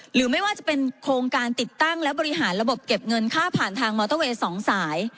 หรือไม่ว่าจะเป็นโครงการติดตั้งและบริหารระบบเก็บเงินค่าผ่านทางมอเตอร์เวย์๒สาย